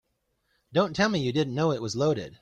Don't tell me you didn't know it was loaded.